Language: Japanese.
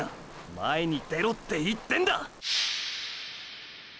前に出ろ！！って言ってんだ！！